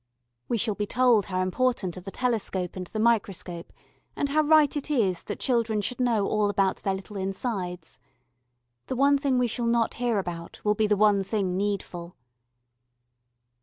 We shall be told how important are the telescope and the microscope, and how right it is that children should know all about their little insides. The one thing we shall not hear about will be the one thing needful.